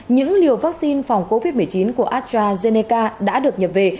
những liều vắc xin phòng covid một mươi chín của astrazeneca đã được nhập về